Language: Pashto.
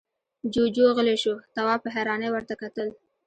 جُوجُو غلی شو، تواب په حيرانۍ ورته کتل…